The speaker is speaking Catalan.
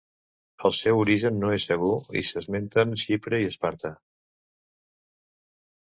El seu origen no és segur i s'esmenten Xipre i Esparta.